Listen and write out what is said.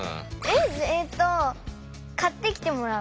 えっと買ってきてもらう。